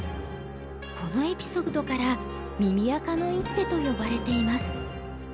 このエピソードから耳赤の一手と呼ばれています。